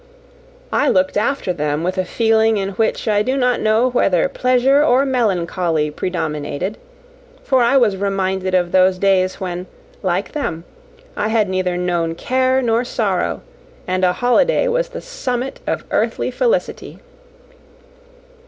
I looked after them with a feeling in which I do not know whether pleasure or melancholy predominated: for I was reminded of those days when, like them, I had neither known care nor sorrow, and a holiday was the summit of earthly felicity.